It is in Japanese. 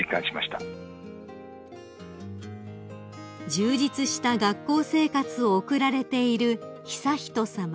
［充実した学校生活を送られている悠仁さま］